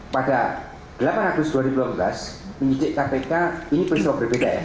pada delapan agustus dua ribu delapan belas penyidik kpk ini peristiwa berbeda ya